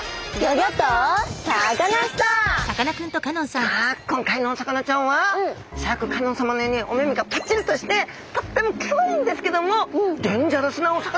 さあ今回のお魚ちゃんはシャーク香音さまのようにお目々がぱっちりとしてとってもかわいいんですけどもえ！